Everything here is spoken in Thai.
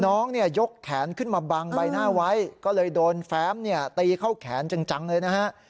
น้องเนี่ยยกแขนขึ้นมาบังใบหน้าไว้ก็เลยโดนแฟ้มเนี่ยตีเข้าแขนจังเลยนะฮะ